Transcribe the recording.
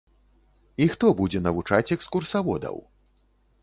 І хто будзе навучаць экскурсаводаў?